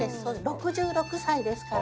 ６６歳ですから。